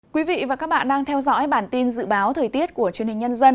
quý vị và các bạn đang theo dõi bản tin dự báo thời tiết của truyền hình nhân dân